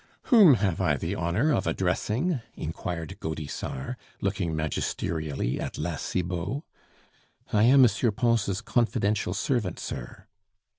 "Whom have I the honor of addressing?" inquired Gaudissart, looking magisterially at La Cibot. "I am M. Pons' confidential servant, sir."